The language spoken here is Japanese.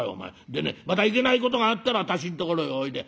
でねまたいけないことがあったら私んところへおいで。